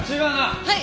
はい！